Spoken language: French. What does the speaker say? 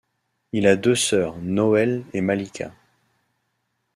Il a deux sœurs, Noelle et Malika.